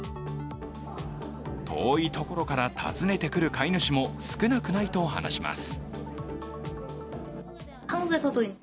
遠いところから訪ねてくる飼い主も少なくないと話します。